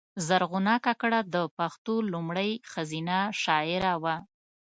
زرغونه کاکړه د پښتو لومړۍ ښځینه شاعره وه .